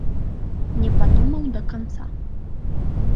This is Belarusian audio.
Не падумаў да канца.